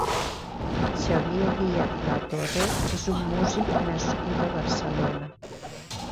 Xavier Díaz-Latorre és un músic nascut a Barcelona.